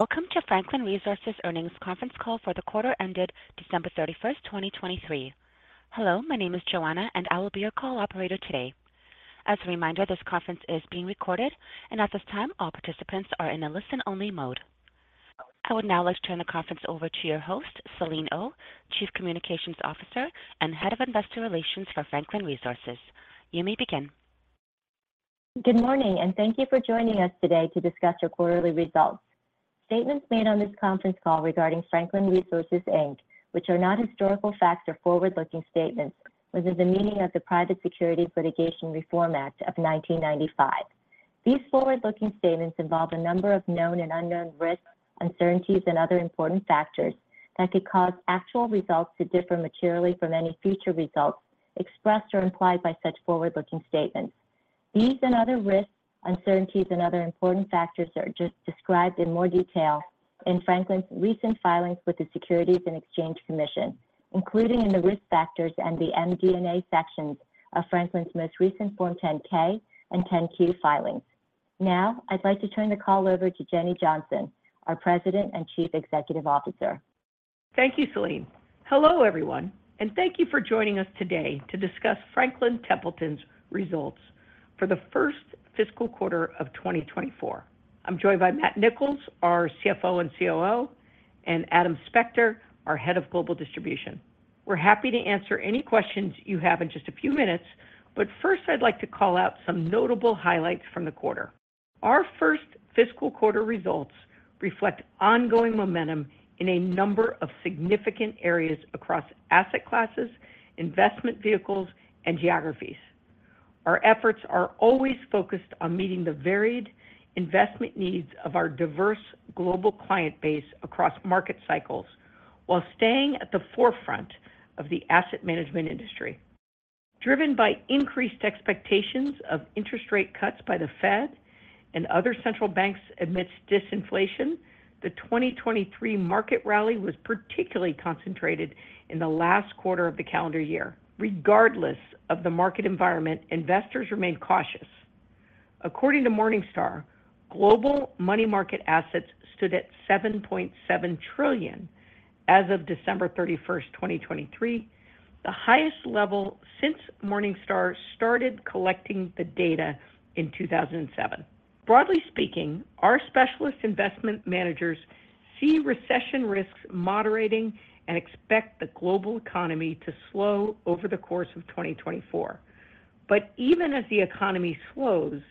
Welcome to Franklin Resources earnings conference call for the quarter ended December 31st, 2023. Hello, my name is Joanna, and I will be your call operator today. As a reminder, this conference is being recorded, and at this time all participants are in a listen-only mode. I would now like to turn the conference over to your host, Selene Oh, Chief Communications Officer and Head of Investor Relations for Franklin Resources. You may begin. Good morning, and thank you for joining us today to discuss your quarterly results. Statements made on this conference call regarding Franklin Resources, Inc., which are not historical facts or forward-looking statements, within the meaning of the Private Securities Litigation Reform Act of 1995. These forward-looking statements involve a number of known and unknown risks, uncertainties, and other important factors that could cause actual results to differ materially from any future results expressed or implied by such forward-looking statements. These and other risks, uncertainties, and other important factors are described in more detail in Franklin's recent filings with the Securities and Exchange Commission, including in the risk factors and the MD&A sections of Franklin's most recent Form 10-K and 10-Q filings. Now, I'd like to turn the call over to Jenny Johnson, our President and Chief Executive Officer. Thank you, Selene. Hello, everyone, and thank you for joining us today to discuss Franklin Templeton's results for the first fiscal quarter of 2024. I'm joined by Matt Nicholls, our CFO and COO, and Adam Spector, our Head of Global Distribution. We're happy to answer any questions you have in just a few minutes, but first I'd like to call out some notable highlights from the quarter. Our first fiscal quarter results reflect ongoing momentum in a number of significant areas across asset classes, investment vehicles, and geographies. Our efforts are always focused on meeting the varied investment needs of our diverse global client base across market cycles while staying at the forefront of the asset management industry. Driven by increased expectations of interest rate cuts by the Fed and other central banks amidst disinflation, the 2023 market rally was particularly concentrated in the last quarter of the calendar year. Regardless of the market environment, investors remained cautious. According to Morningstar, global money market assets stood at $7.7 trillion as of December 31st, 2023, the highest level since Morningstar started collecting the data in 2007. Broadly speaking, our specialist investment managers see recession risks moderating and expect the global economy to slow over the course of 2024. But even as the economy slows,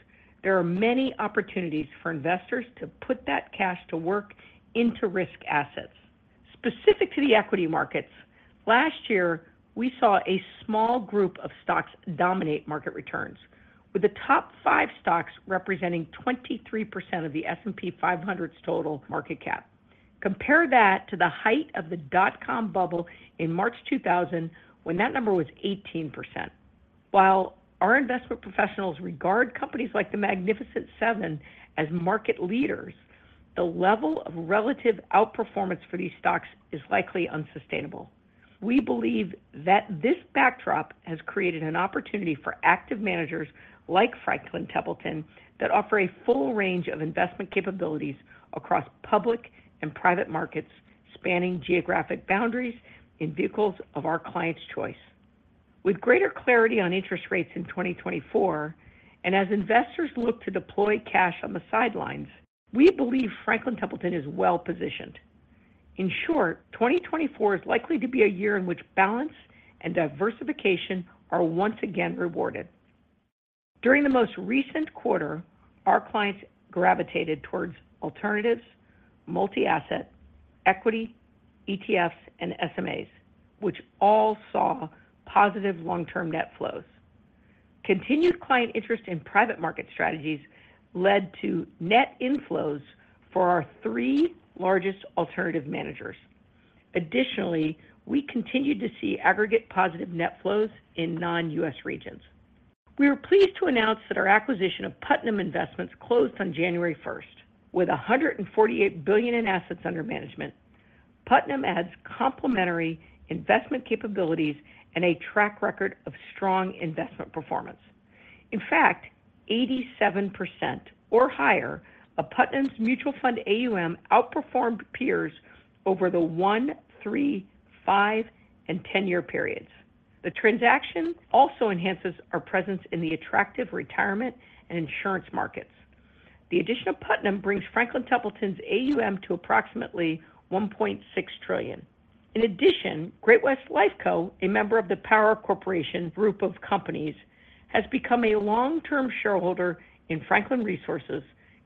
there are many opportunities for investors to put that cash to work into risk assets. Specific to the equity markets, last year we saw a small group of stocks dominate market returns, with the top five stocks representing 23% of the S&P 500's total market cap. Compare that to the height of the dot-com bubble in March 2000, when that number was 18%. While our investment professionals regard companies like the Magnificent Seven as market leaders, the level of relative outperformance for these stocks is likely unsustainable. We believe that this backdrop has created an opportunity for active managers like Franklin Templeton that offer a full range of investment capabilities across public and private markets spanning geographic boundaries in vehicles of our clients' choice. With greater clarity on interest rates in 2024 and as investors look to deploy cash on the sidelines, we believe Franklin Templeton is well positioned. In short, 2024 is likely to be a year in which balance and diversification are once again rewarded. During the most recent quarter, our clients gravitated towards alternatives, multi-asset, equity, ETFs, and SMAs, which all saw positive long-term net flows. Continued client interest in private market strategies led to net inflows for our three largest alternative managers. Additionally, we continued to see aggregate positive net flows in non-U.S. regions. We were pleased to announce that our acquisition of Putnam Investments closed on January 1st. With $148 billion in assets under management, Putnam adds complementary investment capabilities and a track record of strong investment performance. In fact, 87% or higher of Putnam's mutual fund AUM outperformed peers over the 1-, 3-, 5-, and 10-year periods. The transaction also enhances our presence in the attractive retirement and insurance markets. The addition of Putnam brings Franklin Templeton's AUM to approximately $1.6 trillion. In addition, Great-West Lifeco, a member of the Power Corporation Group of Companies, has become a long-term shareholder in Franklin Resources,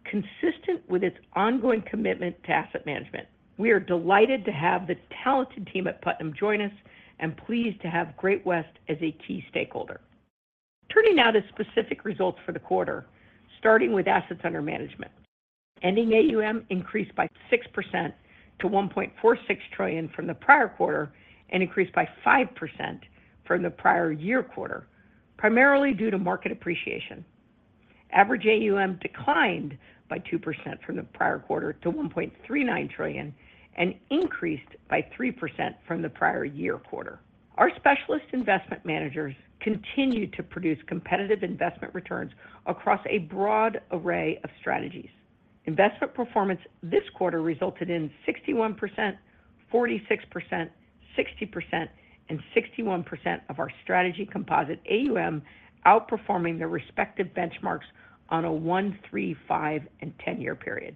consistent with its ongoing commitment to asset management. We are delighted to have the talented team at Putnam join us and pleased to have Great-West as a key stakeholder. Turning now to specific results for the quarter, starting with assets under management. Ending AUM increased by 6% to $1.46 trillion from the prior quarter and increased by 5% from the prior year quarter, primarily due to market appreciation. Average AUM declined by 2% from the prior quarter to $1.39 trillion and increased by 3% from the prior year quarter. Our specialist investment managers continue to produce competitive investment returns across a broad array of strategies. Investment performance this quarter resulted in 61%, 46%, 60%, and 61% of our strategy composite AUM outperforming the respective benchmarks on a 1-, 3-, 5-, and 10-year period.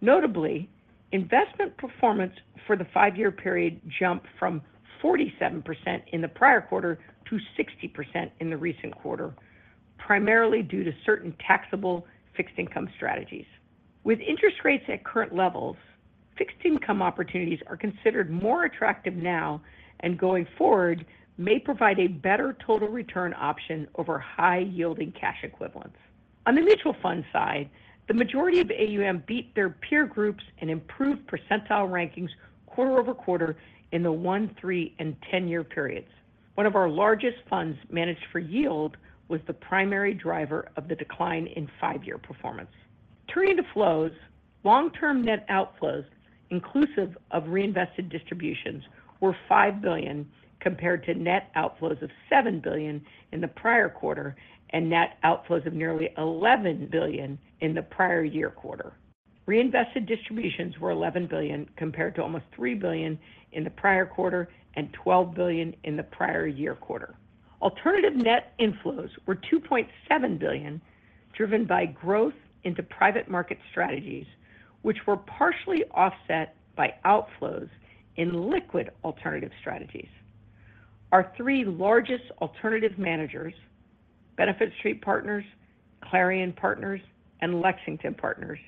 Notably, investment performance for the 5-year period jumped from 47% in the prior quarter to 60% in the recent quarter, primarily due to certain taxable fixed income strategies. With interest rates at current levels, fixed income opportunities are considered more attractive now and going forward may provide a better total return option over high-yielding cash equivalents. On the mutual fund side, the majority of AUM beat their peer groups and improved percentile rankings quarter-over-quarter in the 1-, 3-, and 10-year periods. One of our largest funds managed for yield was the primary driver of the decline in 5-year performance. Turning to flows, long-term net outflows, inclusive of reinvested distributions, were $5 billion compared to net outflows of $7 billion in the prior quarter and net outflows of nearly $11 billion in the prior year quarter. Reinvested distributions were $11 billion compared to almost $3 billion in the prior quarter and $12 billion in the prior year quarter. Alternative net inflows were $2.7 billion, driven by growth into private market strategies, which were partially offset by outflows in liquid alternative strategies. Our three largest alternative managers, Benefit Street Partners, Clarion Partners, and Lexington Partners,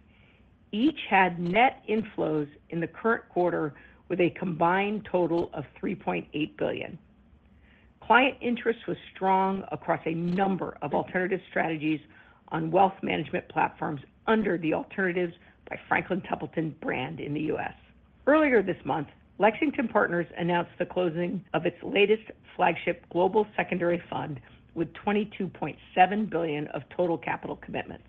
each had net inflows in the current quarter with a combined total of $3.8 billion. Client interest was strong across a number of alternative strategies on wealth management platforms under the Alternatives by Franklin Templeton brand in the US. Earlier this month, Lexington Partners announced the closing of its latest flagship global secondary fund with $22.7 billion of total capital commitments.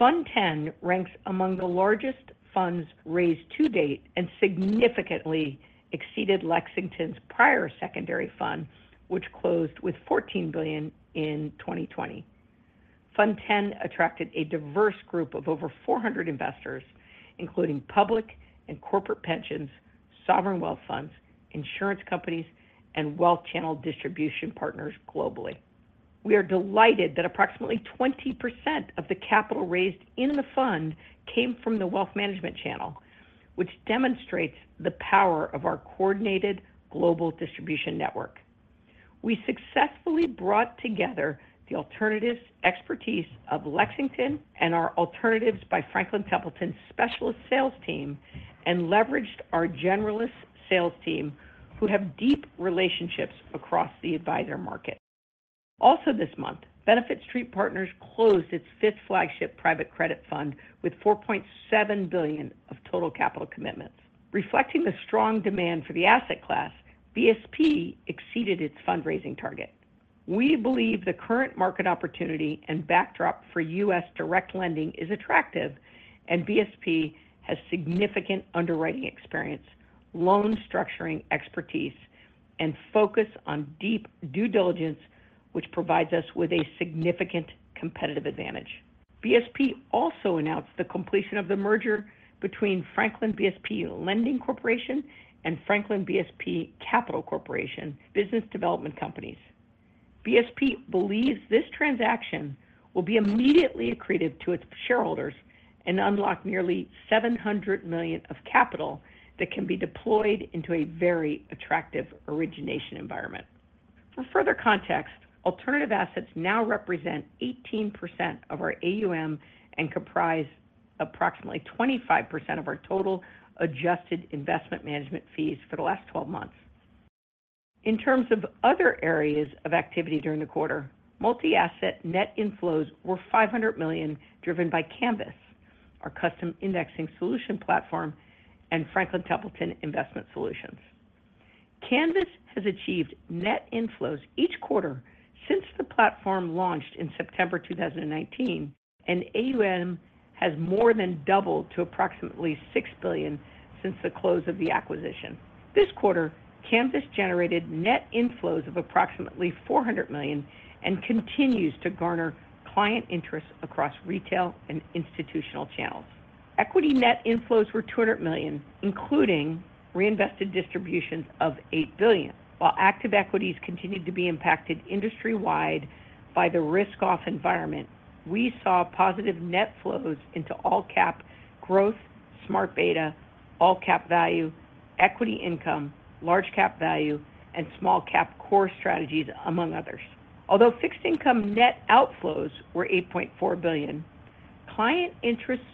Fund 10 ranks among the largest funds raised to date and significantly exceeded Lexington's prior secondary fund, which closed with $14 billion in 2020. Fund 10 attracted a diverse group of over 400 investors, including public and corporate pensions, sovereign wealth funds, insurance companies, and wealth channel distribution partners globally. We are delighted that approximately 20% of the capital raised in the fund came from the wealth management channel, which demonstrates the power of our coordinated global distribution network. We successfully brought together the alternatives' expertise of Lexington and our Alternatives by Franklin Templeton specialist sales team and leveraged our generalist sales team, who have deep relationships across the advisor market. Also this month, Benefit Street Partners closed its fifth flagship private credit fund with $4.7 billion of total capital commitments. Reflecting the strong demand for the asset class, BSP exceeded its fundraising target. We believe the current market opportunity and backdrop for U.S. direct lending is attractive, and BSP has significant underwriting experience, loan structuring expertise, and focus on deep due diligence, which provides us with a significant competitive advantage. BSP also announced the completion of the merger between Franklin BSP Lending Corporation and Franklin BSP Capital Corporation, business development companies. BSP believes this transaction will be immediately accretive to its shareholders and unlock nearly $700 million of capital that can be deployed into a very attractive origination environment. For further context, alternative assets now represent 18% of our AUM and comprise approximately 25% of our total adjusted investment management fees for the last 12 months. In terms of other areas of activity during the quarter, multi-asset net inflows were $500 million driven by Canvas, our custom indexing solution platform, and Franklin Templeton Investment Solutions. Canvas has achieved net inflows each quarter since the platform launched in September 2019, and AUM has more than doubled to approximately $6 billion since the close of the acquisition. This quarter, Canvas generated net inflows of approximately $400 million and continues to garner client interest across retail and institutional channels. Equity net inflows were $200 million, including reinvested distributions of $8 billion. While active equities continued to be impacted industry-wide by the risk-off environment, we saw positive net flows into all-cap growth, smart beta, all-cap value, equity income, large-cap value, and small-cap core strategies, among others. Although fixed income net outflows were $8.4 billion, client interests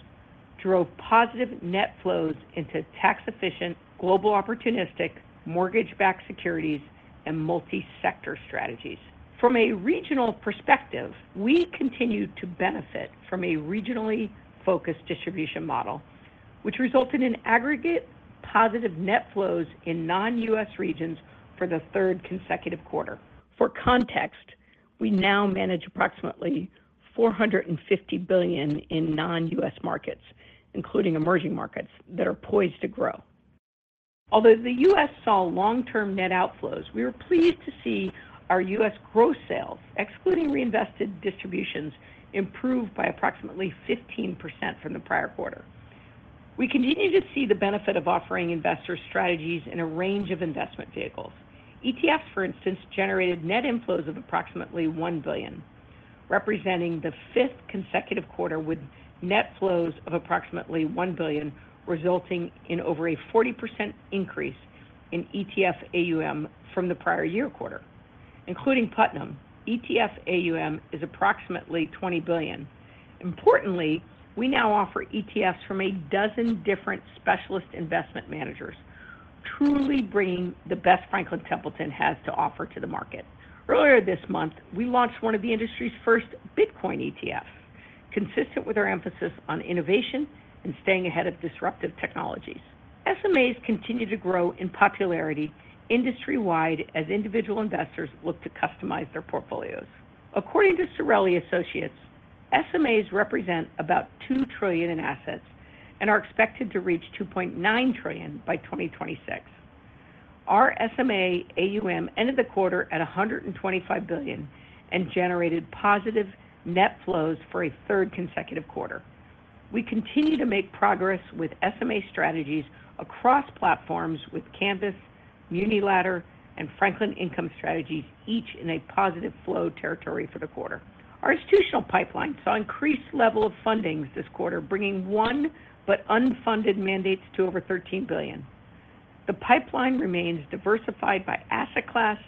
drove positive net flows into tax-efficient, global opportunistic, mortgage-backed securities, and multi-sector strategies. From a regional perspective, we continued to benefit from a regionally focused distribution model, which resulted in aggregate positive net flows in non-U.S. regions for the third consecutive quarter. For context, we now manage approximately $450 billion in non-U.S. markets, including emerging markets, that are poised to grow. Although the U.S. saw long-term net outflows, we were pleased to see our U.S. gross sales, excluding reinvested distributions, improve by approximately 15% from the prior quarter. We continue to see the benefit of offering investors strategies in a range of investment vehicles. ETFs, for instance, generated net inflows of approximately $1 billion, representing the fifth consecutive quarter with net flows of approximately $1 billion, resulting in over a 40% increase in ETF AUM from the prior year quarter. Including Putnam, ETF AUM is approximately $20 billion. Importantly, we now offer ETFs from a dozen different specialist investment managers, truly bringing the best Franklin Templeton has to offer to the market. Earlier this month, we launched one of the industry's first Bitcoin ETFs, consistent with our emphasis on innovation and staying ahead of disruptive technologies. SMAs continue to grow in popularity industry-wide as individual investors look to customize their portfolios. According to Cerulli Associates, SMAs represent about $2 trillion in assets and are expected to reach $2.9 trillion by 2026. Our SMA AUM ended the quarter at $125 billion and generated positive net flows for a third consecutive quarter. We continue to make progress with SMA strategies across platforms with Canvas, Muni Ladder, and Franklin Income Strategies, each in a positive flow territory for the quarter. Our institutional pipeline saw increased level of fundings this quarter, bringing our net unfunded mandates to over $13 billion. The pipeline remains diversified by asset class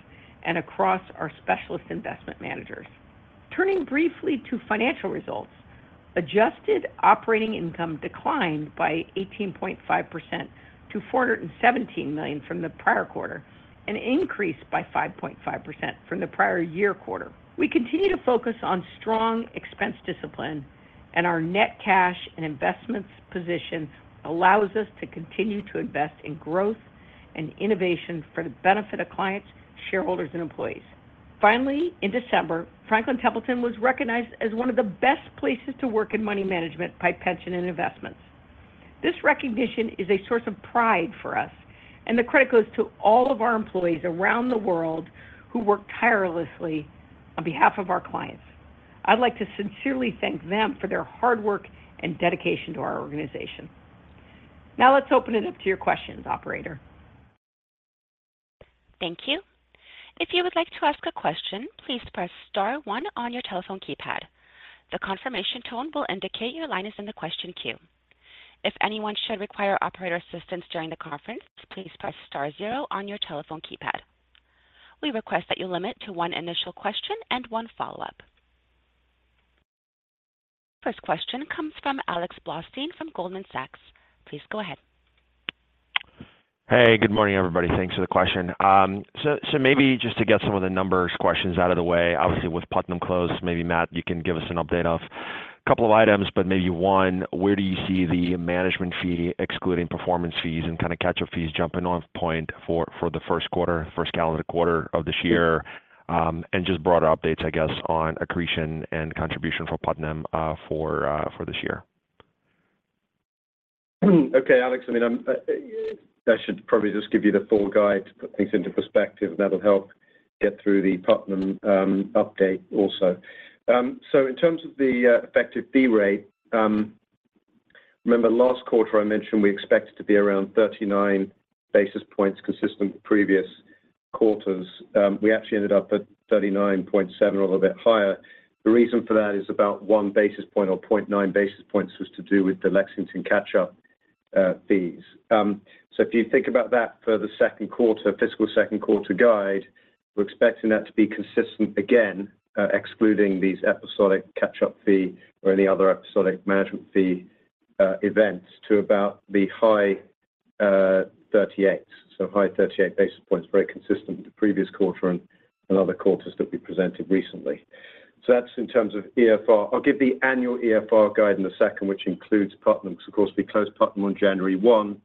and across our specialist investment managers. Turning briefly to financial results, adjusted operating income declined by 18.5% to $417 million from the prior quarter and increased by 5.5% from the prior year quarter. We continue to focus on strong expense discipline, and our net cash and investments position allows us to continue to invest in growth and innovation for the benefit of clients, shareholders, and employees. Finally, in December, Franklin Templeton was recognized as one of the best places to work in money management by Pensions & Investments. This recognition is a source of pride for us, and the credit goes to all of our employees around the world who work tirelessly on behalf of our clients. I'd like to sincerely thank them for their hard work and dedication to our organization. Now let's open it up to your questions, operator. Thank you. If you would like to ask a question, please press star one on your telephone keypad. The confirmation tone will indicate your line is in the question queue. If anyone should require operator assistance during the conference, please press star zero on your telephone keypad. We request that you limit to one initial question and one follow-up. First question comes from Alex Blostein from Goldman Sachs. Please go ahead. Hey, good morning, everybody. Thanks for the question. So maybe just to get some of the numbers questions out of the way, obviously with Putnam closed, maybe Matt, you can give us an update of a couple of items, but maybe one, where do you see the management fee excluding performance fees and kind of catch-up fees jumping off point for the first quarter, first calendar quarter of this year, and just broader updates, I guess, on accretion and contribution for Putnam for this year? Okay, Alex. I mean, that should probably just give you the full guide to put things into perspective, and that'll help get through the Putnam update also. So in terms of the effective fee rate, remember last quarter I mentioned we expected to be around 39 basis points consistent with previous quarters. We actually ended up at 39.7 or a little bit higher. The reason for that is about 1 basis point or 0.9 basis points was to do with the Lexington catch-up fees. So if you think about that for the second quarter, fiscal second quarter guide, we're expecting that to be consistent again, excluding these episodic catch-up fee or any other episodic management fee events, to about the high 38. So high 38 basis points, very consistent with the previous quarter and other quarters that we presented recently. So that's in terms of EFR. I'll give the annual EFR guide in a second, which includes Putnam because, of course, we closed Putnam on January 1.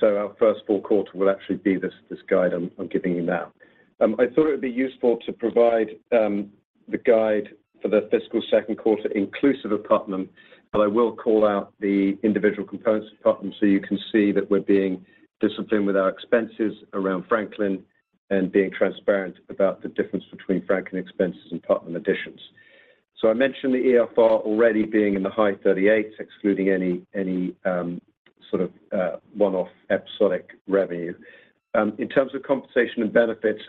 So our first full quarter will actually be this guide I'm giving you now. I thought it would be useful to provide the guide for the fiscal second quarter inclusive of Putnam, but I will call out the individual components of Putnam so you can see that we're being disciplined with our expenses around Franklin and being transparent about the difference between Franklin expenses and Putnam additions. So I mentioned the EFR already being in the high 38%, excluding any sort of one-off episodic revenue. In terms of compensation and benefits,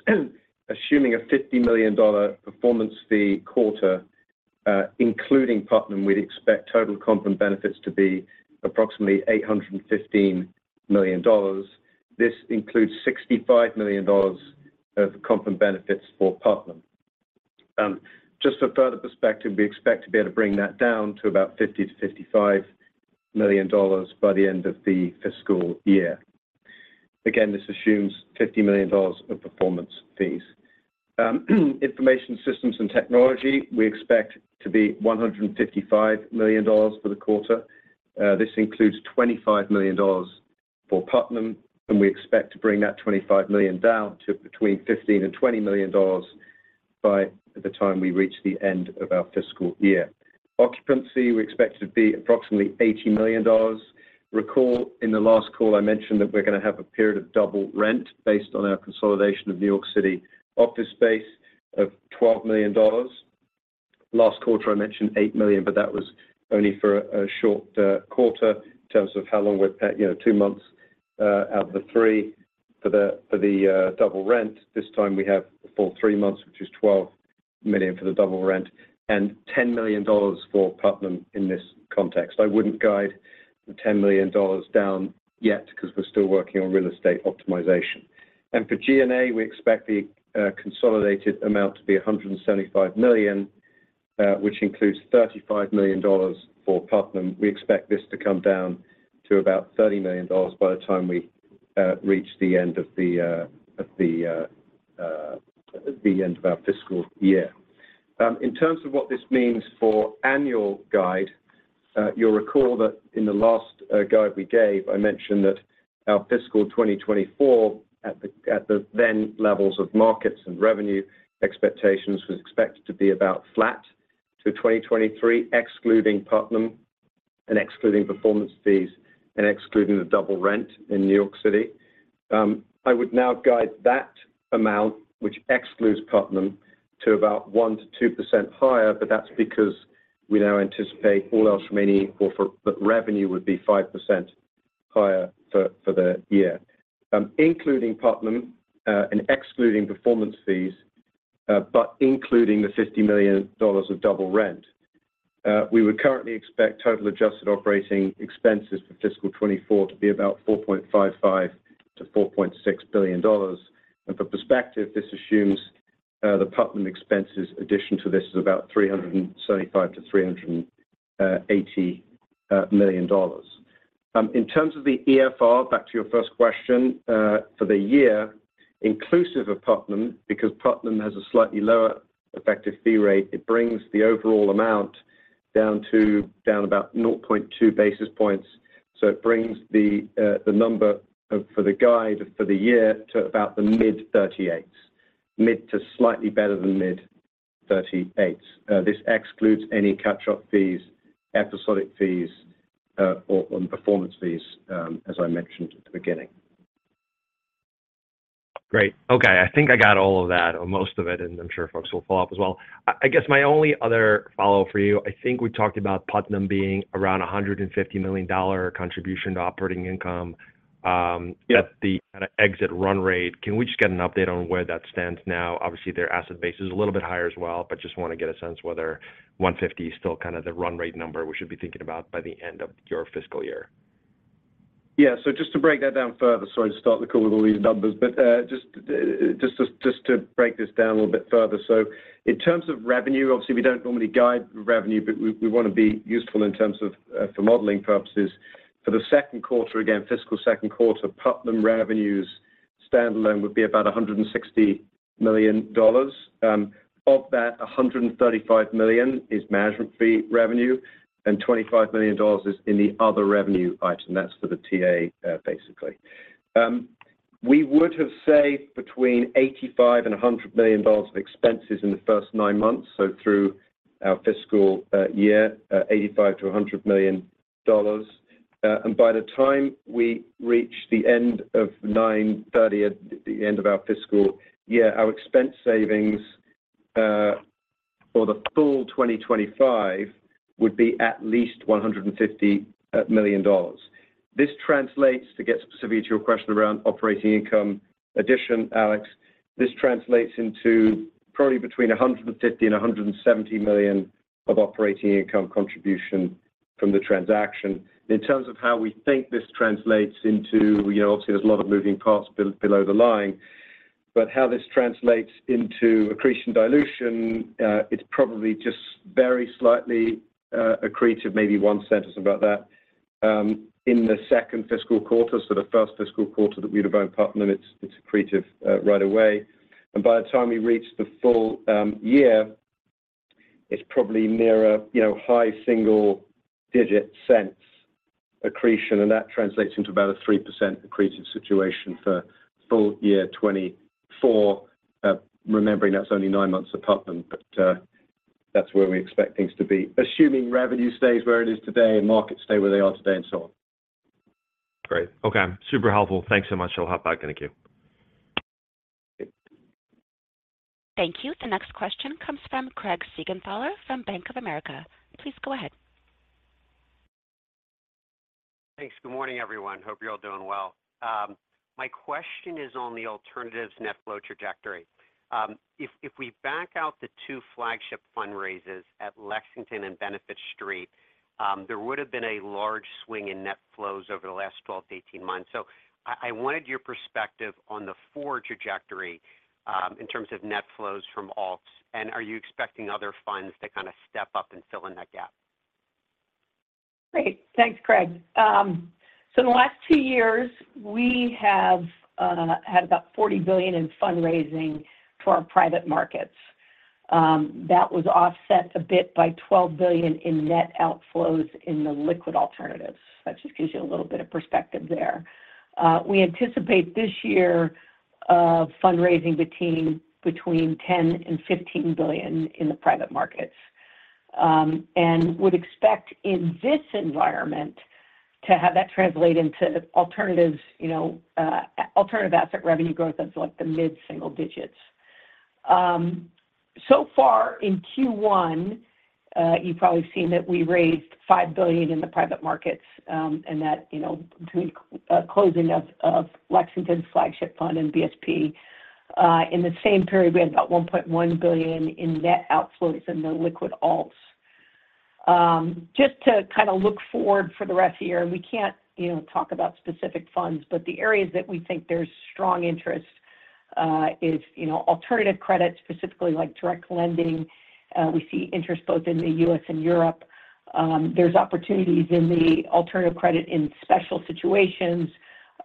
assuming a $50 million performance fee quarter, including Putnam, we'd expect total comp and benefits to be approximately $815 million. This includes $65 million of comp and benefits for Putnam. Just for further perspective, we expect to be able to bring that down to about $50 million-$55 million by the end of the fiscal year. Again, this assumes $50 million of performance fees. Information systems and technology, we expect to be $155 million for the quarter. This includes $25 million for Putnam, and we expect to bring that $25 million down to between $15 million and $20 million by the time we reach the end of our fiscal year. Occupancy, we expect it to be approximately $80 million. Recall, in the last call, I mentioned that we're going to have a period of double rent based on our consolidation of New York City office space of $12 million. Last quarter, I mentioned $8 million, but that was only for a short quarter in terms of how long we're two months out of the three. For the double rent, this time we have for three months, which is $12 million for the double rent and $10 million for Putnam in this context. I wouldn't guide the $10 million down yet because we're still working on real estate optimization. And for G&A, we expect the consolidated amount to be $175 million, which includes $35 million for Putnam. We expect this to come down to about $30 million by the time we reach the end of our fiscal year. In terms of what this means for annual guide, you'll recall that in the last guide we gave, I mentioned that our fiscal 2024 at the then levels of markets and revenue expectations was expected to be about flat to 2023, excluding Putnam and excluding performance fees and excluding the double rent in New York City. I would now guide that amount, which excludes Putnam, to about 1%-2% higher, but that's because we now anticipate all else remaining or that revenue would be 5% higher for the year, including Putnam and excluding performance fees but including the $50 million of double rent. We would currently expect total adjusted operating expenses for fiscal 2024 to be about $4.55 billion-$4.6 billion. For perspective, this assumes the Putnam expenses addition to this is about $375 million-$380 million. In terms of the EFR, back to your first question, for the year inclusive of Putnam, because Putnam has a slightly lower effective fee rate, it brings the overall amount down to about 0.2 basis points. So it brings the number for the guide for the year to about the mid 38s, mid to slightly better than mid 38s. This excludes any catch-up fees, episodic fees, and performance fees, as I mentioned at the beginning. Great. Okay. I think I got all of that or most of it, and I'm sure folks will follow up as well. I guess my only other follow-up for you, I think we talked about Putnam being around $150 million contribution to operating income at the kind of exit run rate. Can we just get an update on where that stands now? Obviously, their asset base is a little bit higher as well, but just want to get a sense whether 150 is still kind of the run rate number we should be thinking about by the end of your fiscal year? Yeah. So just to break that down further so I start the call with all these numbers. But just to break this down a little bit further. So in terms of revenue, obviously, we don't normally guide revenue, but we want to be useful in terms of for modeling purposes. For the second quarter, again, fiscal second quarter, Putnam revenues standalone would be about $160 million. Of that, $135 million is management fee revenue, and $25 million is in the other revenue item. That's for the TA, basically. We would have say between $85 million and $100 million of expenses in the first nine months, so through our fiscal year, $85 million-$100 million. And by the time we reach the end of 9/30, the end of our fiscal year, our expense savings for the full 2025 would be at least $150 million. This translates to get specific to your question around operating income addition, Alex. This translates into probably between $150 million-$170 million of operating income contribution from the transaction. In terms of how we think this translates into, obviously, there's a lot of moving parts below the line, but how this translates into accretion dilution, it's probably just very slightly accretive, maybe $0.01 or something about that. In the second fiscal quarter for the first fiscal quarter that we'd have owned Putnam, it's accretive right away. And by the time we reach the full year, it's probably near a high single-digit cents accretion, and that translates into about a 3% accretive situation for full year 2024, remembering that's only 9 months of Putnam. But that's where we expect things to be, assuming revenue stays where it is today and markets stay where they are today and so on. Great. Okay. Super helpful. Thanks so much. I'll hop back in the queue. Thank you. The next question comes from Craig Siegenthaler from Bank of America. Please go ahead. Thanks. Good morning, everyone. Hope you're all doing well. My question is on the alternatives net flow trajectory. If we back out the two flagship fundraisers at Lexington and Benefit Street, there would have been a large swing in net flows over the last 12-18 months. So I wanted your perspective on the future trajectory in terms of net flows from alts. And are you expecting other funds to kind of step up and fill in that gap? Great. Thanks, Craig. So in the last two years, we have had about $40 billion in fundraising for our private markets. That was offset a bit by $12 billion in net outflows in the liquid alternatives. That just gives you a little bit of perspective there. We anticipate this year of fundraising between $10 billion and $15 billion in the private markets and would expect in this environment to have that translate into alternative asset revenue growth of the mid single digits. So far in Q1, you've probably seen that we raised $5 billion in the private markets and that between closing of Lexington's flagship fund and BSP. In the same period, we had about $1.1 billion in net outflows in the liquid alts. Just to kind of look forward for the rest of the year, and we can't talk about specific funds, but the areas that we think there's strong interest is alternative credit, specifically direct lending. We see interest both in the U.S. and Europe. There's opportunities in the alternative credit in special situations,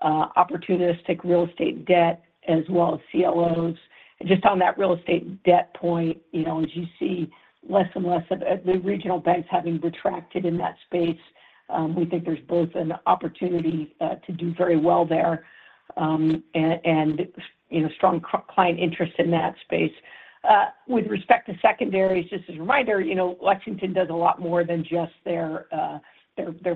opportunistic real estate debt, as well as CLOs. And just on that real estate debt point, as you see less and less of the regional banks having retracted in that space, we think there's both an opportunity to do very well there and strong client interest in that space. With respect to secondaries, just as a reminder, Lexington does a lot more than just their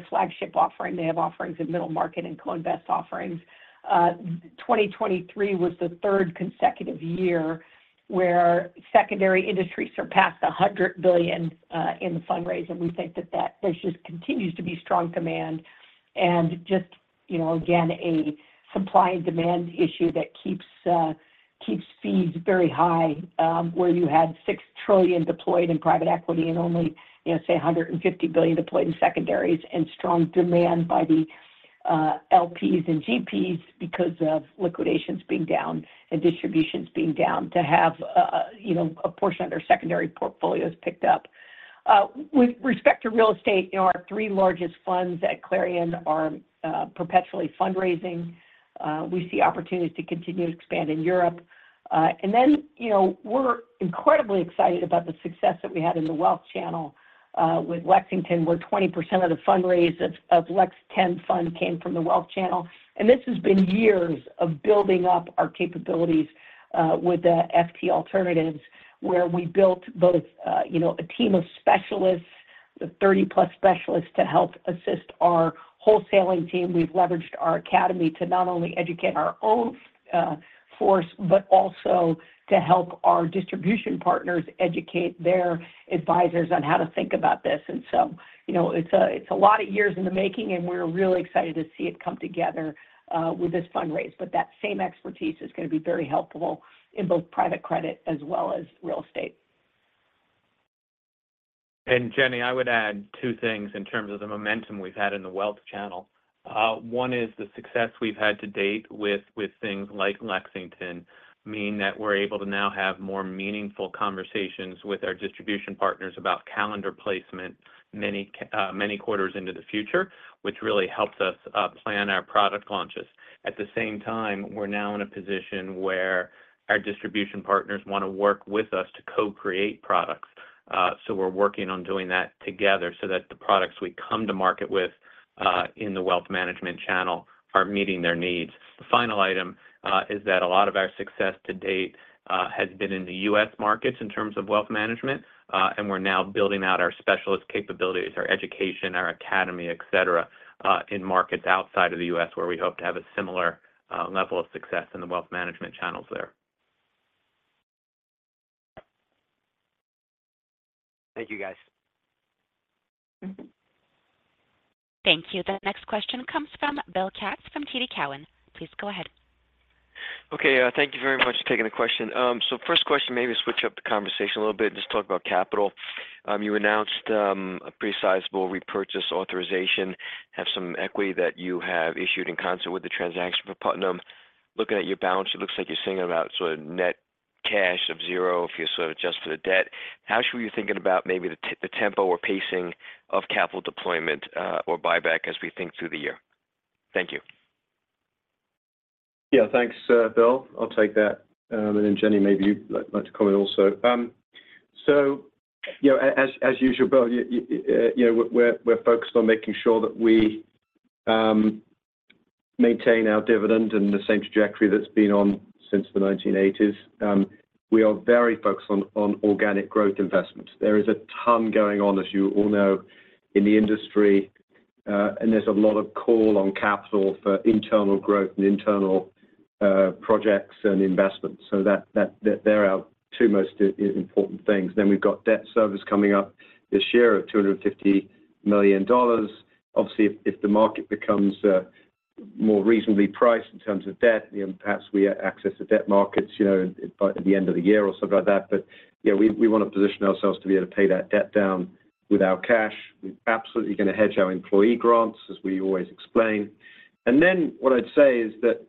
flagship offering. They have offerings in middle market and Coinvest offerings. 2023 was the third consecutive year where secondary industry surpassed $100 billion in the fundraiser. We think that there just continues to be strong demand and just, again, a supply and demand issue that keeps fees very high, where you had $6 trillion deployed in private equity and only, say, $150 billion deployed in secondaries and strong demand by the LPs and GPs because of liquidations being down and distributions being down to have a portion of their secondary portfolios picked up. With respect to real estate, our three largest funds at Clarion are perpetually fundraising. We see opportunities to continue to expand in Europe. And then we're incredibly excited about the success that we had in the Wealth Channel with Lexington, where 20% of the fundraise of Lex 10 fund came from the Wealth Channel. This has been years of building up our capabilities with FT Alternatives, where we built both a team of specialists, the 30+ specialists to help assist our wholesaling team. We've leveraged our academy to not only educate our own force but also to help our distribution partners educate their advisors on how to think about this. So it's a lot of years in the making, and we're really excited to see it come together with this fundraise. But that same expertise is going to be very helpful in both private credit as well as real estate. And Jenny, I would add two things in terms of the momentum we've had in the Wealth Channel. One is the success we've had to date with things like Lexington mean that we're able to now have more meaningful conversations with our distribution partners about calendar placement many quarters into the future, which really helps us plan our product launches. At the same time, we're now in a position where our distribution partners want to work with us to co-create products. So we're working on doing that together so that the products we come to market with in the Wealth Management Channel are meeting their needs. The final item is that a lot of our success to date has been in the U.S. markets in terms of wealth management, and we're now building out our specialist capabilities, our education, our academy, etc., in markets outside of the U.S. where we hope to have a similar level of success in the wealth management channels there. Thank you, guys. Thank you. The next question comes from Bill Katz from TD Cowen. Please go ahead. Okay. Thank you very much for taking the question. So first question, maybe switch up the conversation a little bit and just talk about capital. You announced a pretty sizable repurchase authorization, have some equity that you have issued in concert with the transaction for Putnam. Looking at your balance, it looks like you're seeing about sort of net cash of zero if you're sort of adjusting for the debt. How should we be thinking about maybe the tempo or pacing of capital deployment or buyback as we think through the year? Thank you. Yeah. Thanks, Bill. I'll take that. And then Jenny, maybe you'd like to comment also. So as usual, Bill, we're focused on making sure that we maintain our dividend in the same trajectory that's been on since the 1980s. We are very focused on organic growth investments. There is a ton going on, as you all know, in the industry, and there's a lot of call on capital for internal growth and internal projects and investments. So they're our two most important things. Then we've got debt service coming up this year of $250 million. Obviously, if the market becomes more reasonably priced in terms of debt, perhaps we access the debt markets at the end of the year or something like that. But we want to position ourselves to be able to pay that debt down with our cash. We're absolutely going to hedge our employee grants, as we always explain. And then what I'd say is that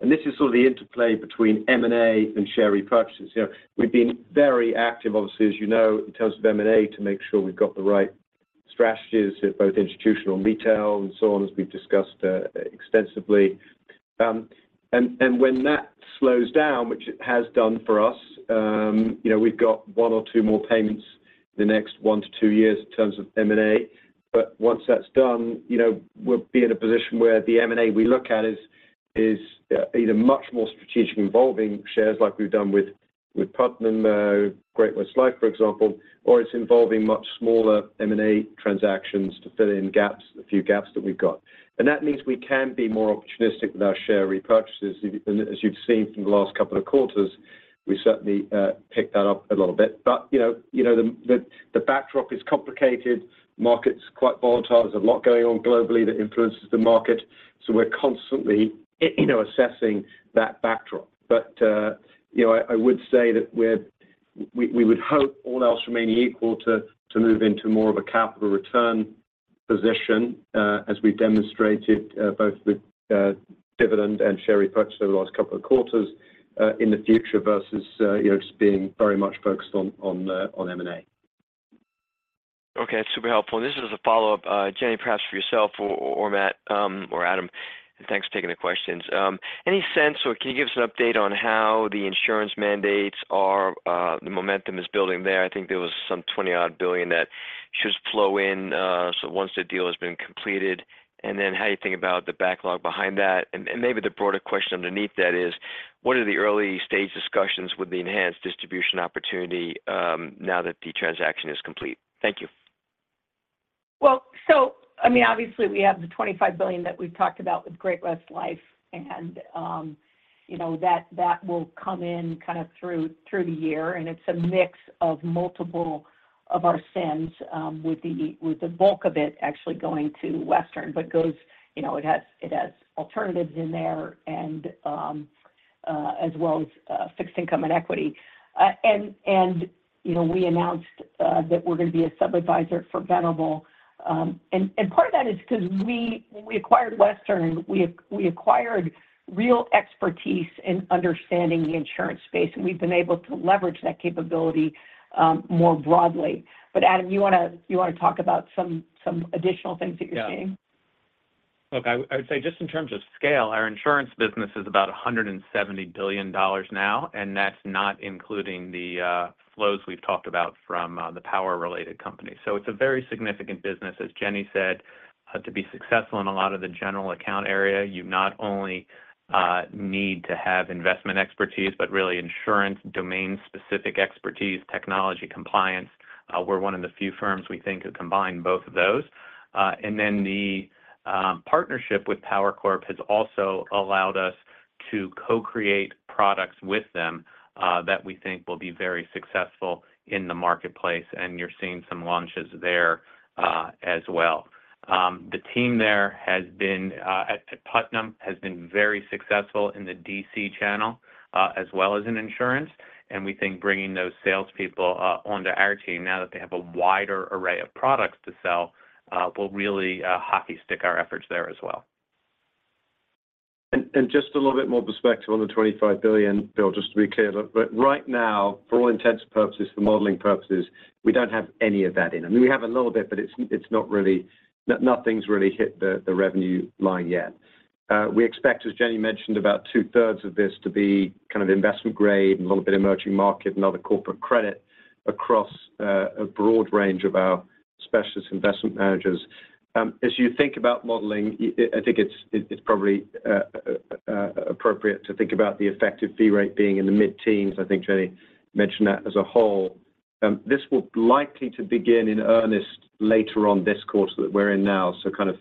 and this is sort of the interplay between M&A and share repurchases. We've been very active, obviously, as you know, in terms of M&A to make sure we've got the right strategies at both institutional and retail and so on, as we've discussed extensively. And when that slows down, which it has done for us, we've got one or two more payments in the next one to two years in terms of M&A. But once that's done, we'll be in a position where the M&A we look at is either much more strategic involving shares like we've done with Putnam, Great-West Lifeco, for example, or it's involving much smaller M&A transactions to fill in a few gaps that we've got. That means we can be more opportunistic with our share repurchases. As you've seen from the last couple of quarters, we certainly picked that up a little bit. But the backdrop is complicated. Market's quite volatile. There's a lot going on globally that influences the market. So we're constantly assessing that backdrop. But I would say that we would hope all else remaining equal to move into more of a capital return position, as we've demonstrated both with dividend and share repurchase over the last couple of quarters in the future versus just being very much focused on M&A. Okay. Super helpful. And this is a follow-up, Jenny, perhaps for yourself or Matt or Adam. Thanks for taking the questions. Any sense or can you give us an update on how the insurance mandates are the momentum is building there? I think there was some $20-odd billion that should flow in once the deal has been completed. And then how do you think about the backlog behind that? And maybe the broader question underneath that is, what are the early-stage discussions with the enhanced distribution opportunity now that the transaction is complete? Thank you. Well, so I mean, obviously, we have the $25 billion that we've talked about with Great West Life, and that will come in kind of through the year. And it's a mix of multiple of our SIMs with the bulk of it actually going to Western, but it has alternatives in there as well as fixed income and equity. And we announced that we're going to be a subadvisor for Venable. And part of that is because when we acquired Western, we acquired real expertise in understanding the insurance space, and we've been able to leverage that capability more broadly. But Adam, you want to talk about some additional things that you're seeing? Yeah. Look, I would say just in terms of scale, our insurance business is about $170 billion now, and that's not including the flows we've talked about from the power-related companies. So it's a very significant business, as Jenny said, to be successful in a lot of the general account area. You not only need to have investment expertise but really insurance domain-specific expertise, technology compliance. We're one of the few firms we think who combine both of those. And then the partnership with PowerCorp has also allowed us to co-create products with them that we think will be very successful in the marketplace, and you're seeing some launches there as well. The team there at Putnam has been very successful in the DC channel as well as in insurance. We think bringing those salespeople onto our team now that they have a wider array of products to sell will really hockey stick our efforts there as well. Just a little bit more perspective on the $25 billion, Bill, just to be clear. Right now, for all intents and purposes, for modeling purposes, we don't have any of that in. I mean, we have a little bit, but nothing's really hit the revenue line yet. We expect, as Jenny mentioned, about two-thirds of this to be kind of investment grade and a little bit emerging market and other corporate credit across a broad range of our specialist investment managers. As you think about modeling, I think it's probably appropriate to think about the effective fee rate being in the mid-teens. I think Jenny mentioned that as a whole. This will likely begin in earnest later on this quarter that we're in now, so kind of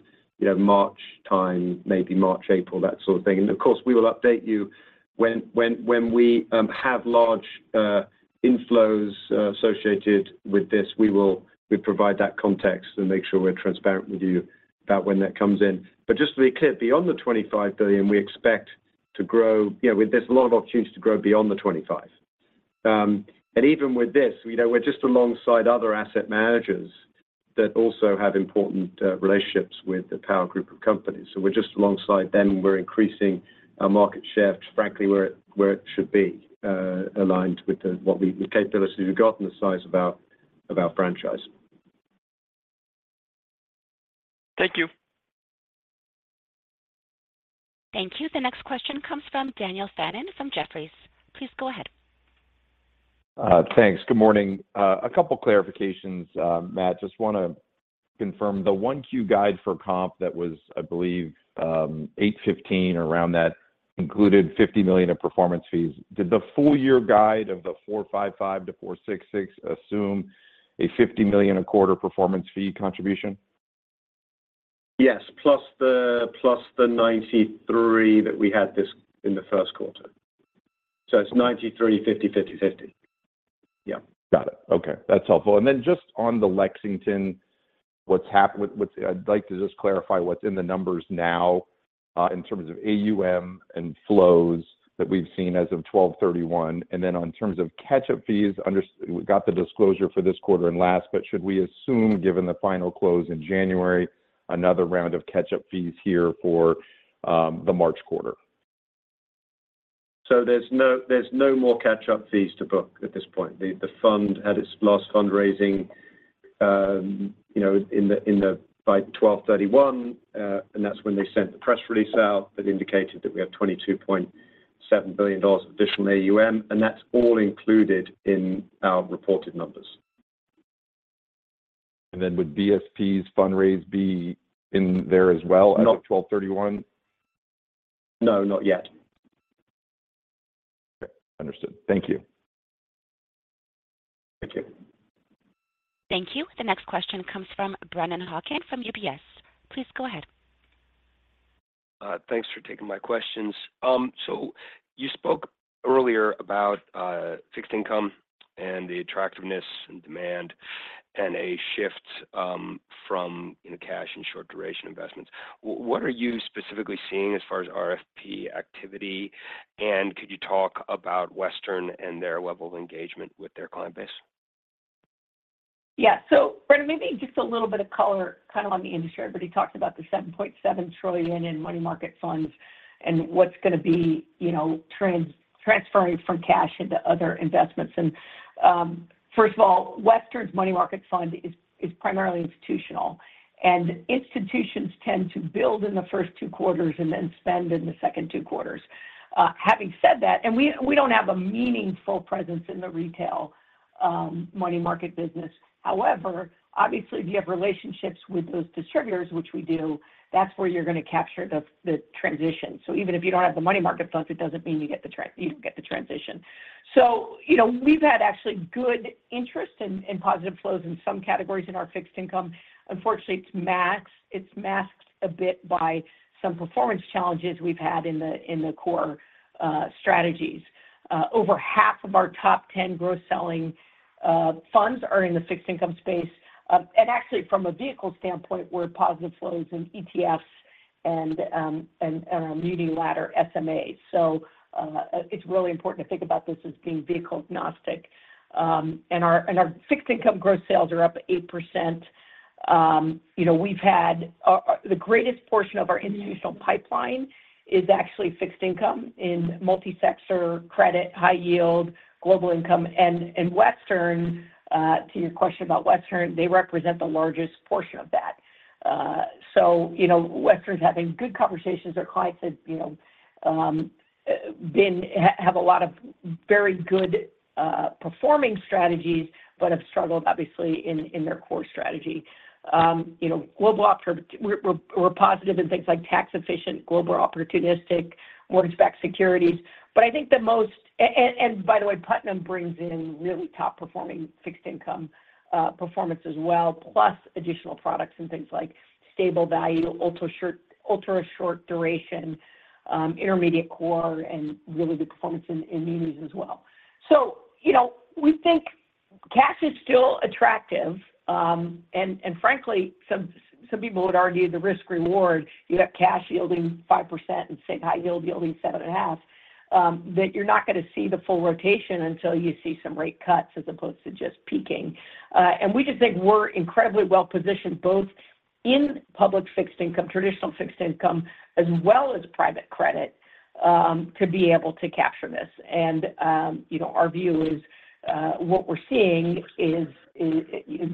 March time, maybe March, April, that sort of thing. And of course, we will update you. When we have large inflows associated with this, we'll provide that context and make sure we're transparent with you about when that comes in. But just to be clear, beyond the $25 billion, we expect to grow. There's a lot of opportunity to grow beyond the $25 billion. Even with this, we're just alongside other asset managers that also have important relationships with the Power Group of companies. So we're just alongside them, and we're increasing our market share, frankly, where it should be, aligned with the capabilities we've got and the size of our franchise. Thank you. Thank you. The next question comes from Dan Fannon from Jefferies. Please go ahead. Thanks. Good morning. A couple of clarifications, Matt. Just want to confirm the 1Q guide for comp that was, I believe, $815 million or around that, included $50 million of performance fees. Did the full-year guide of the $455 million-$466 million assume a $50 million-a-quarter performance fee contribution? Yes, plus the 93 that we had in the first quarter. So it's 93, 50, 50, 50. Yeah. Got it. Okay. That's helpful. And then just on the Lexington, I'd like to just clarify what's in the numbers now in terms of AUM and flows that we've seen as of 12/31. And then in terms of catch-up fees, we got the disclosure for this quarter and last, but should we assume, given the final close in January, another round of catch-up fees here for the March quarter? There's no more catch-up fees to book at this point. The fund had its last fundraising by 12/31, and that's when they sent the press release out that indicated that we have $22.7 billion of additional AUM. That's all included in our reported numbers. And then would BSP's fundraise be in there as well as of 12/31? No, not yet. Okay. Understood. Thank you. Thank you. Thank you. The next question comes from Brennan Hawken from UBS. Please go ahead. Thanks for taking my questions. You spoke earlier about fixed income and the attractiveness and demand and a shift from cash and short-duration investments. What are you specifically seeing as far as RFP activity? And could you talk about Western and their level of engagement with their client base? Yeah. So Brennan, maybe just a little bit of color kind of on the industry. Everybody talks about the $7.7 trillion in money market funds and what's going to be transferring from cash into other investments. And first of all, Western's money market fund is primarily institutional, and institutions tend to build in the first two quarters and then spend in the second two quarters. Having said that, we don't have a meaningful presence in the retail money market business. However, obviously, if you have relationships with those distributors, which we do, that's where you're going to capture the transition. So even if you don't have the money market funds, it doesn't mean you don't get the transition. So we've had actually good interest and positive flows in some categories in our fixed income. Unfortunately, it's masked a bit by some performance challenges we've had in the core strategies. Over half of our top 10 gross-selling funds are in the fixed income space. Actually, from a vehicle standpoint, we're positive flows in ETFs and our income ladder SMAs. It's really important to think about this as being vehicle-agnostic. Our fixed income gross sales are up 8%. We've had the greatest portion of our institutional pipeline is actually fixed income in multi-sector credit, high-yield, global income. Western, to your question about Western, they represent the largest portion of that. Western's having good conversations. Our clients have been have a lot of very good performing strategies but have struggled, obviously, in their core strategy. We're positive in things like tax-efficient, global opportunistic, mortgage-backed securities. But I think the most and by the way, Putnam brings in really top-performing fixed income performance as well, plus additional products and things like stable value, ultra-short duration, intermediate core, and really good performance in immunities as well. So we think cash is still attractive. And frankly, some people would argue the risk-reward, you have cash yielding 5% and say high-yield yielding 7.5%, that you're not going to see the full rotation until you see some rate cuts as opposed to just peaking. And we just think we're incredibly well-positioned both in public fixed income, traditional fixed income, as well as private credit to be able to capture this. And our view is what we're seeing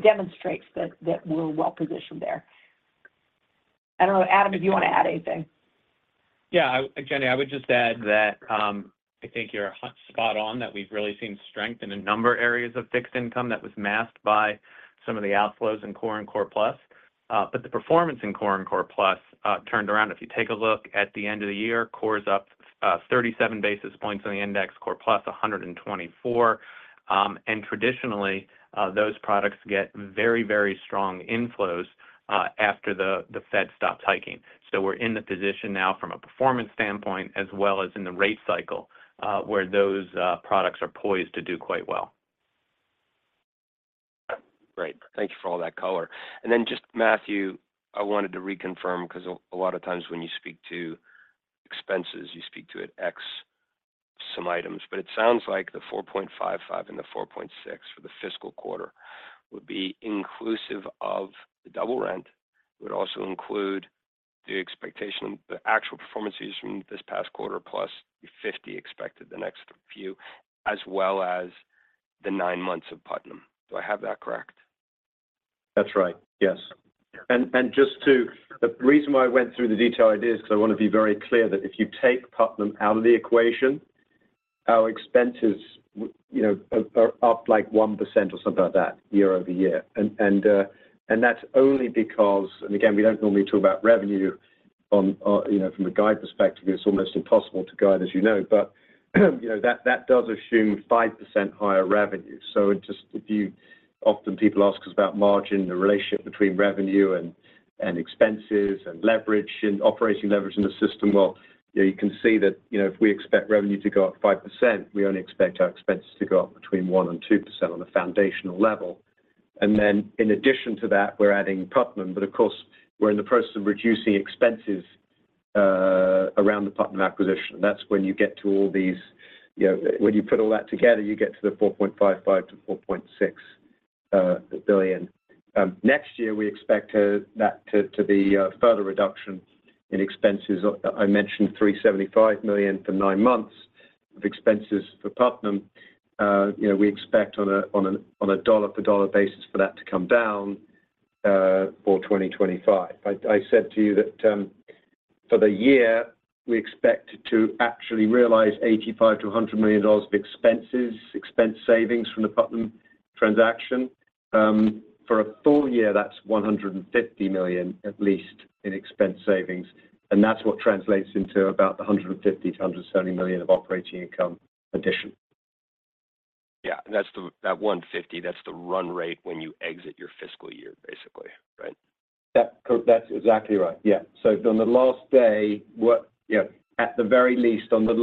demonstrates that we're well-positioned there. I don't know, Adam, if you want to addanything. Yeah. Jenny, I would just add that I think you're spot on that we've really seen strength in a number of areas of fixed income that was masked by some of the outflows in core and core plus. But the performance in core and core plus turned around. If you take a look at the end of the year, core's up 37 basis points on the index, core plus 124. And traditionally, those products get very, very strong inflows after the Fed stops hiking. So we're in the position now from a performance standpoint as well as in the rate cycle where those products are poised to do quite well. Great. Thank you for all that color. And then just, Matthew, I wanted to reconfirm because a lot of times when you speak to expenses, you speak to it X some items. But it sounds like the 4.55 and the 4.6 for the fiscal quarter would be inclusive of the double rent. It would also include the actual performances from this past quarter plus the 50 expected the next few as well as the nine months of Putnam. Do I have that correct? That's right. Yes. And just to the reason why I went through the detailed idea is because I want to be very clear that if you take Putnam out of the equation, our expenses are up like 1% or something like that year-over-year. And that's only because and again, we don't normally talk about revenue from a guide perspective. It's almost impossible to guide, as you know. But that does assume 5% higher revenue. So if you often, people ask us about margin, the relationship between revenue and expenses and operating leverage in the system. Well, you can see that if we expect revenue to go up 5%, we only expect our expenses to go up between 1% and 2% on a foundational level. And then in addition to that, we're adding Putnam. But of course, we're in the process of reducing expenses around the Putnam acquisition. That's when you get to all these when you put all that together, you get to the $4.55 billion-$4.6 billion. Next year, we expect that to be a further reduction in expenses. I mentioned $375 million for nine months of expenses for Putnam. We expect on a dollar-for-dollar basis for that to come down for 2025. I said to you that for the year, we expect to actually realize $85 million-$100 million of expense savings from the Putnam transaction. For a full year, that's $150 million at least in expense savings. And that's what translates into about the $150 million-$170 million of operating income addition. Yeah. And that 150, that's the run rate when you exit your fiscal year, basically, right? That's exactly right. Yeah. So on the last day, at the very least, on the,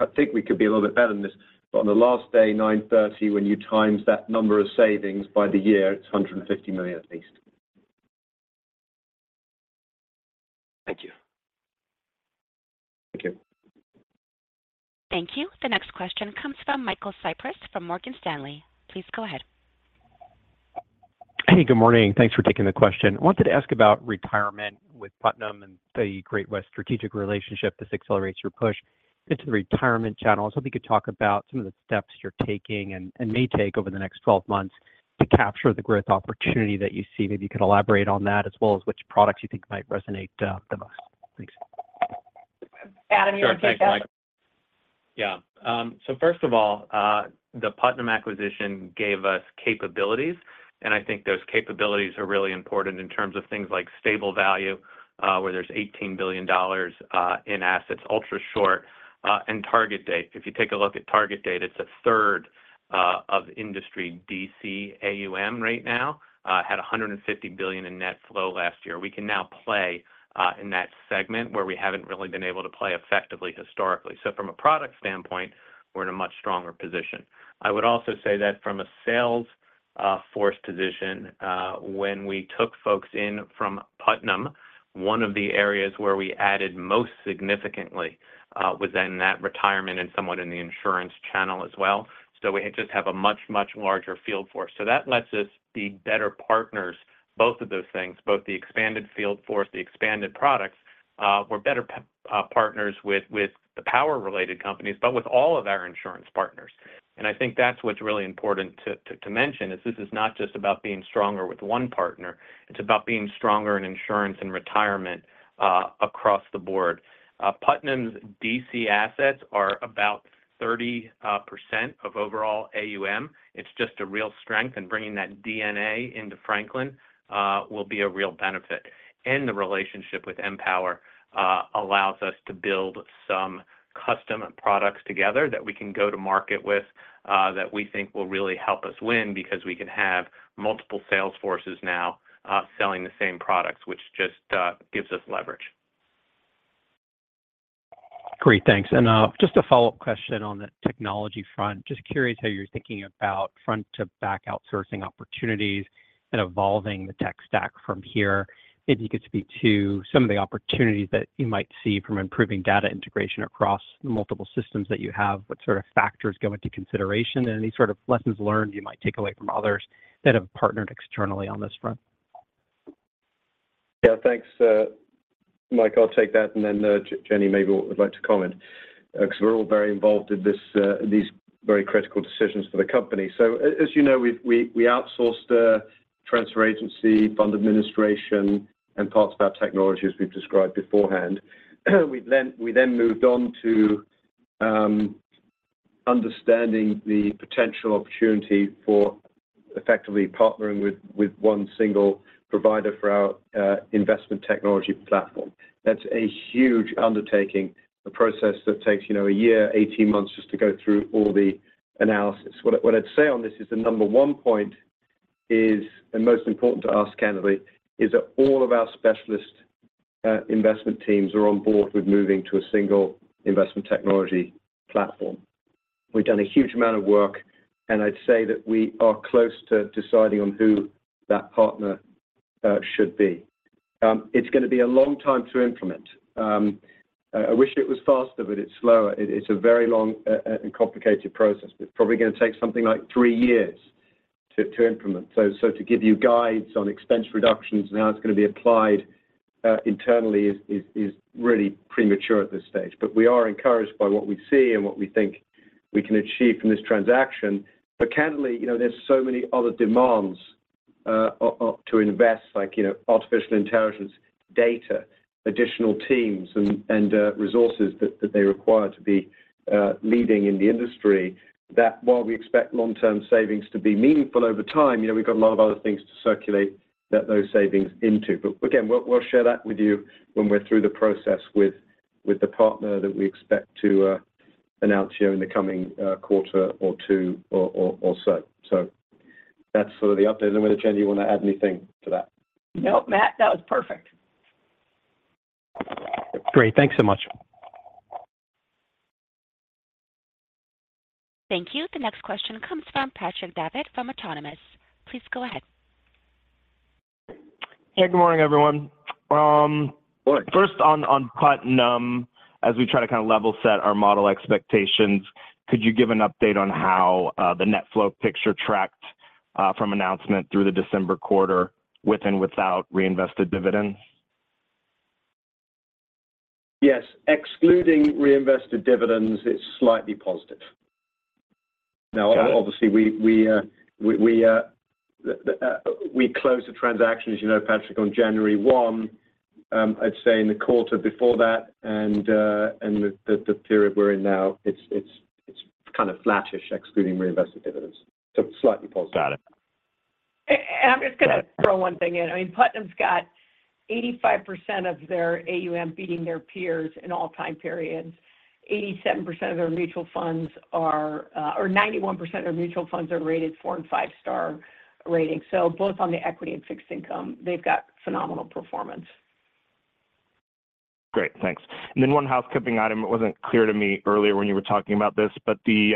I think we could be a little bit better than this. But on the last day, 9:30 A.M., when you times that number of savings by the year, it's $150 million at least. Thank you. Thank you. Thank you. The next question comes from Michael Cyprys from Morgan Stanley. Please go ahead. Hey. Good morning. Thanks for taking the question. I wanted to ask about retirement with Putnam and the Great-West strategic relationship. This accelerates your push into the retirement channels. Hope you could talk about some of the steps you're taking and may take over the next 12 months to capture the growth opportunity that you see. Maybe you could elaborate on that as well as which products you think might resonate the most. Thanks. Adam, you want to take that? Sure. Thanks, Mike. Yeah. So first of all, the Putnam acquisition gave us capabilities. And I think those capabilities are really important in terms of things like stable value, where there's $18 billion in assets, ultra-short, and target date. If you take a look at target date, it's a third of industry DC AUM right now, had $150 billion in net flow last year. We can now play in that segment where we haven't really been able to play effectively historically. So from a product standpoint, we're in a much stronger position. I would also say that from a sales force position, when we took folks in from Putnam, one of the areas where we added most significantly was in that retirement and somewhat in the insurance channel as well. So we just have a much, much larger field force. So that lets us be better partners, both of those things, both the expanded field force, the expanded products. We're better partners with the Power-related companies, but with all of our insurance partners. I think that's what's really important to mention is this is not just about being stronger with one partner. It's about being stronger in insurance and retirement across the board. Putnam's DC assets are about 30% of overall AUM. It's just a real strength. Bringing that DNA into Franklin will be a real benefit. The relationship with Empower allows us to build some custom products together that we can go to market with that we think will really help us win because we can have multiple sales forces now selling the same products, which just gives us leverage. Great. Thanks. And just a follow-up question on the technology front. Just curious how you're thinking about front-to-back outsourcing opportunities and evolving the tech stack from here. Maybe you could speak to some of the opportunities that you might see from improving data integration across the multiple systems that you have, what sort of factors go into consideration, and any sort of lessons learned you might take away from others that have partnered externally on this front. Yeah. Thanks, Mike. I'll take that. And then Jenny, maybe would like to comment because we're all very involved in these very critical decisions for the company. So as you know, we outsourced transfer agency, fund administration, and parts of our technology, as we've described beforehand. We then moved on to understanding the potential opportunity for effectively partnering with one single provider for our investment technology platform. That's a huge undertaking, a process that takes a year, 18 months, just to go through all the analysis. What I'd say on this is the number one point is, and most important to ask candidly, is that all of our specialist investment teams are on board with moving to a single investment technology platform. We've done a huge amount of work. And I'd say that we are close to deciding on who that partner should be. It's going to be a long time to implement. I wish it was faster, but it's slower. It's a very long and complicated process. It's probably going to take something like three years to implement. So to give you guides on expense reductions and how it's going to be applied internally is really premature at this stage. But we are encouraged by what we see and what we think we can achieve from this transaction. But candidly, there's so many other demands to invest, like artificial intelligence, data, additional teams, and resources that they require to be leading in the industry that while we expect long-term savings to be meaningful over time, we've got a lot of other things to circulate those savings into. But again, we'll share that with you when we're through the process with the partner that we expect to announce here in the coming quarter or two or so. So that's sort of the update. I don't know whether, Jenny, you want to add anything to that. Nope, Matt. That was perfect. Great. Thanks so much. Thank you. The next question comes from Patrick Davitt from from Autonomous. Please go ahead. Hey. Good morning, everyone. First, on Putnam, as we try to kind of level set our model expectations, could you give an update on how the net flow picture tracked from announcement through the December quarter with and without reinvested dividends? Yes. Excluding reinvested dividends, it's slightly positive. Now, obviously, we closed the transaction, as you know, Patrick, on January 1, I'd say, in the quarter before that. And the period we're in now, it's kind of flattish excluding reinvested dividends. So slightly positive. Got it. I'm just going to throw one thing in. I mean, Putnam's got 85% of their AUM beating their peers in all-time periods. 87% of their mutual funds are or 91% of their mutual funds are rated four and five-star ratings. So both on the equity and fixed income, they've got phenomenal performance. Great. Thanks. And then one housekeeping item. It wasn't clear to me earlier when you were talking about this, but the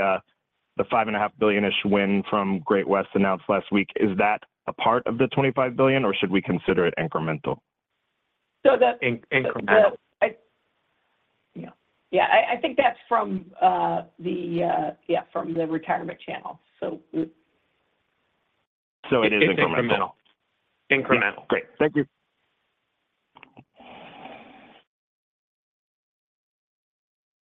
$5.5 billion-ish win from Great-West announced last week, is that a part of the $25 billion, or should we consider it incremental? So the. Incremental. Yeah. I think that's from the yeah, from the retirement channel, so. It is incremental. It's incremental. Incremental. Great. Thank you.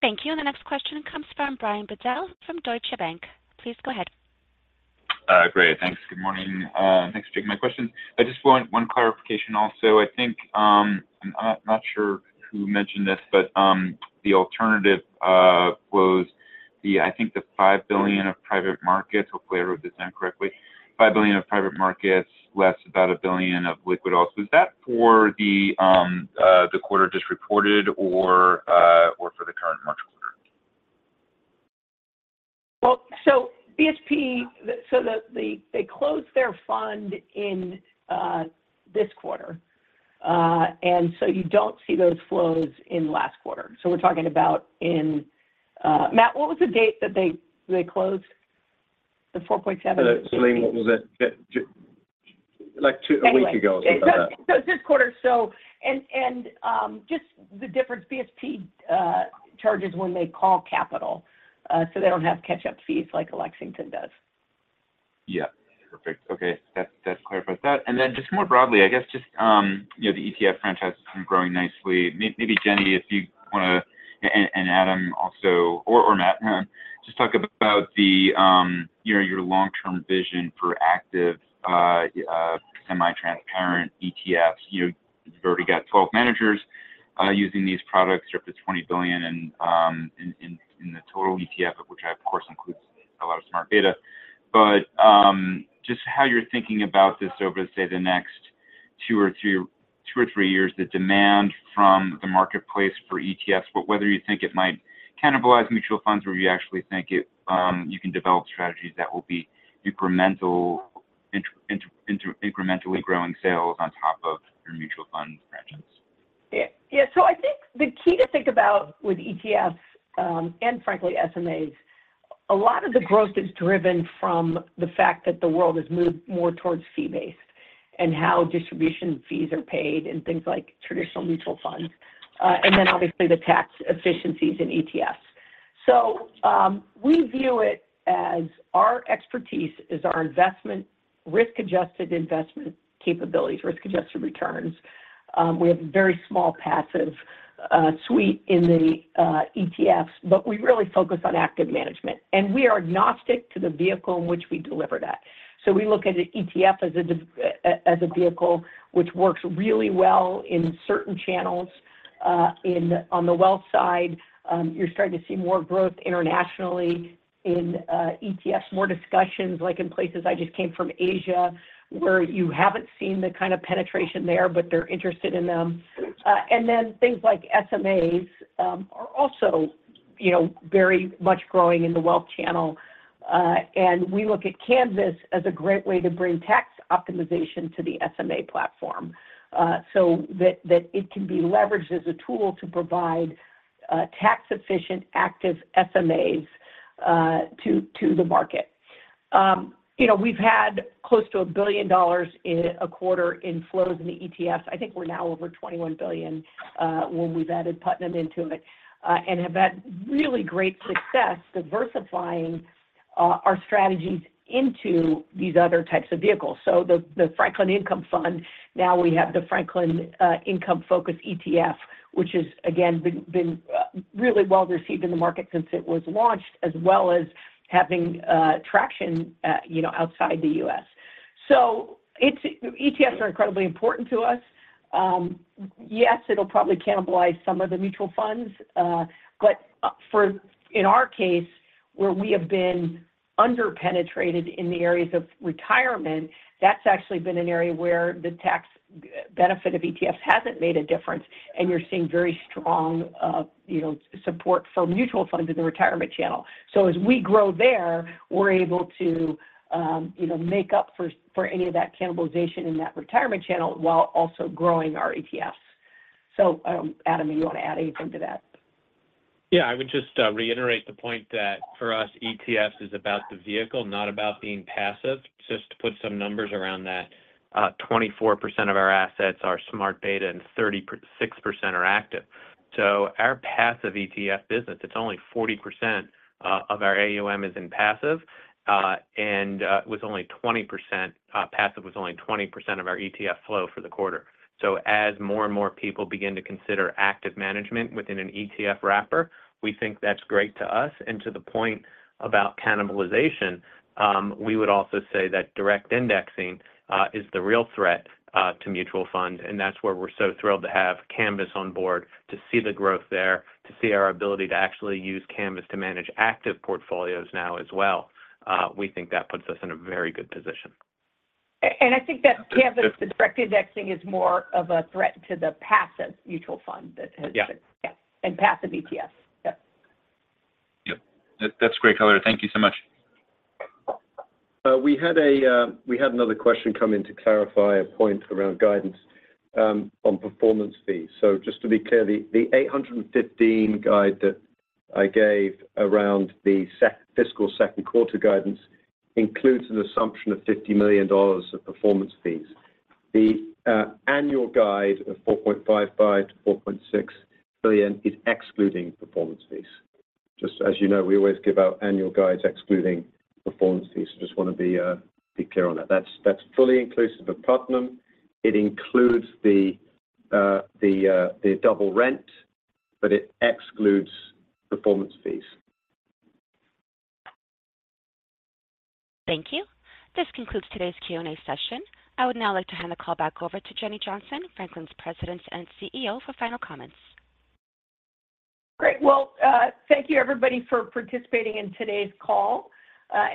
Thank you. And the next question comes from Brian Bedell from Deutsche Bank. Please go ahead. Great. Thanks. Good morning. Thanks for taking my questions. I just want one clarification also. I think I'm not sure who mentioned this, but the alternative was, I think, the $5 billion of private markets. Hopefully, I wrote this down correctly. $5 billion of private markets, less about $1 billion of liquid loss. Was that for the quarter just reported or for the current March quarter? Well, so BSP, so they closed their fund in this quarter. And so you don't see those flows in last quarter. So we're talking about in Matt, what was the date that they closed? The 4.7? Selene, what was it? Like a week ago or something like that. It's this quarter. Just the difference, BSP charges when they call capital. They don't have catch-up fees like Lexington does. Yeah. Perfect. Okay. That clarifies that. And then just more broadly, I guess, just the ETF franchise has been growing nicely. Maybe, Jenny, if you want to and Adam also or Matt, just talk about your long-term vision for active semi-transparent ETFs. You've already got 12 managers using these products, you're up to $20 billion in the total ETF, which, of course, includes a lot of smart data. But just how you're thinking about this over, say, the next two or three years, the demand from the marketplace for ETFs, whether you think it might cannibalize mutual funds or you actually think you can develop strategies that will be incrementally growing sales on top of your mutual funds franchise? Yeah. So I think the key to think about with ETFs and, frankly, SMAs, a lot of the growth is driven from the fact that the world has moved more towards fee-based and how distribution fees are paid and things like traditional mutual funds and then, obviously, the tax efficiencies in ETFs. So we view it as our expertise is our risk-adjusted investment capabilities, risk-adjusted returns. We have a very small passive suite in the ETFs, but we really focus on active management. And we are agnostic to the vehicle in which we deliver that. So we look at an ETF as a vehicle which works really well in certain channels. On the wealth side, you're starting to see more growth internationally in ETFs, more discussions, like in places I just came from, Asia where you haven't seen the kind of penetration there, but they're interested in them. Things like SMAs are also very much growing in the wealth channel. We look at Canvas as a great way to bring tax optimization to the SMA platform so that it can be leveraged as a tool to provide tax-efficient, active SMAs to the market. We've had close to $1 billion a quarter in flows in the ETFs. I think we're now over $21 billion when we've added Putnam into it and have had really great success diversifying our strategies into these other types of vehicles. So the Franklin Income Fund, now we have the Franklin Income Focus ETF, which has, again, been really well received in the market since it was launched, as well as having traction outside the U.S. So ETFs are incredibly important to us. Yes, it'll probably cannibalize some of the mutual funds. But in our case, where we have been underpenetrated in the areas of retirement, that's actually been an area where the tax benefit of ETFs hasn't made a difference. And you're seeing very strong support for mutual funds in the retirement channel. So as we grow there, we're able to make up for any of that cannibalization in that retirement channel while also growing our ETFs. So, Adam, maybe you want to add anything to that? Yeah. I would just reiterate the point that for us, ETFs is about the vehicle, not about being passive. Just to put some numbers around that, 24% of our assets are smart data, and 36% are active. So our passive ETF business, it's only 40% of our AUM is in passive. And it was only 20% passive was only 20% of our ETF flow for the quarter. So as more and more people begin to consider active management within an ETF wrapper, we think that's great to us. And to the point about cannibalization, we would also say that direct indexing is the real threat to mutual funds. And that's where we're so thrilled to have Canvas on board to see the growth there, to see our ability to actually use Canvas to manage active portfolios now as well. We think that puts us in a very good position. I think that Canvas, the direct indexing, is more of a threat to the passive mutual fund that has, yeah, and passive ETFs. Yep. Yep. That's great, Heather. Thank you so much. We had another question come in to clarify a point around guidance on performance fees. So just to be clear, the $815 million guide that I gave around the fiscal second quarter guidance includes an assumption of $50 million of performance fees. The annual guide of $4.55-$4.6 billion is excluding performance fees. Just as you know, we always give out annual guides excluding performance fees. I just want to be clear on that. That's fully inclusive of Putnam. It includes the double rent, but it excludes performance fees. Thank you. This concludes today's Q&A session. I would now like to hand the call back over to Jenny Johnson, Franklin's President and CEO, for final comments. Great. Well, thank you, everybody, for participating in today's call.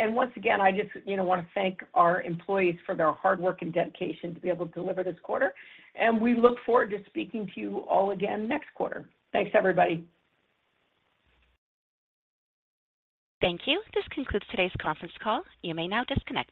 Once again, I just want to thank our employees for their hard work and dedication to be able to deliver this quarter. We look forward to speaking to you all again next quarter. Thanks, everybody. Thank you. This concludes today's conference call. You may now disconnect.